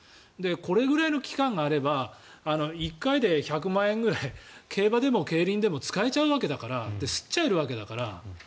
これぐらいの期間があれば１回で１００万円ぐらい競馬でも競輪でも使えちゃうわけだからで、すっちゃえるわけだから。